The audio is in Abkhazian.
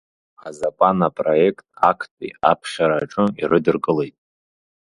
Азакәан апроект актәи аԥхьара аҿы ирыдыркылеит.